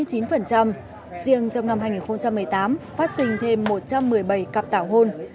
riêng trong năm hai nghìn một mươi tám phát sinh thêm một trăm một mươi bảy cặp tảo hôn